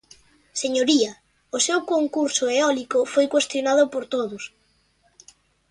Señoría, o seu concurso eólico foi cuestionado por todos.